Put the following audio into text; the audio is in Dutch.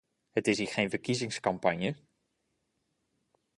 Het is hier geen verkiezingscampagne.